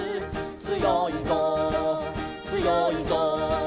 「つよいぞつよいぞ」